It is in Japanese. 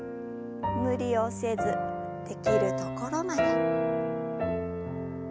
無理をせずできるところまで。